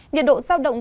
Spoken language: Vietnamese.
nhiệt độ giao động